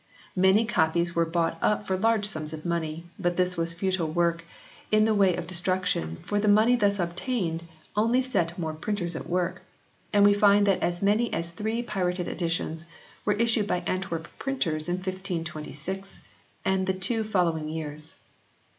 Many copies were bought up for large sums of money, but this was futile work in the way of destruction for the money thus obtained only set more printers at work, and we find that as many as three pirated editions were issued by Antwerp printers in 1526 and the two following years.